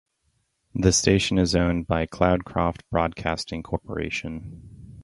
The station is owned by Cloudcroft Broadcasting Corporation.